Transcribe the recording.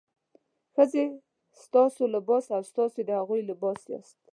ښځې ستاسو لباس او تاسې د هغوی لباس یاست.